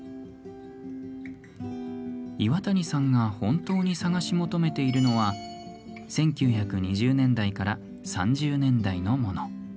岩谷さんが本当に探し求めているのは１９２０年代から３０年代のもの。